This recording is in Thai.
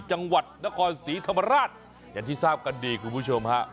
จังหวัดนครศรีธรรมราชอย่างที่ทราบกันดีคุณผู้ชมฮะ